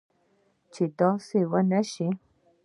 چې داسي و نه شي